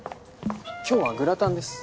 今日はグラタンです。